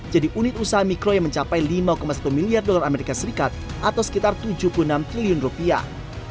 jadi unit usaha mikro yang mencapai lima satu miliar dolar as atau sekitar tujuh puluh enam triliun rupiah